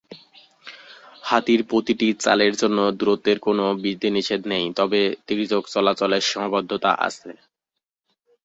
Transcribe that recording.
হাতির প্রতিটি চালের জন্য দূরত্বের কোনও বিধিনিষেধ নেই, তবে তির্যক চলাচলে সীমাবদ্ধতা আছে।